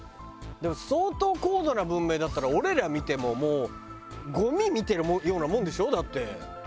でも相当高度な文明だったら俺ら見てももうごみ見てるようなもんでしょだって。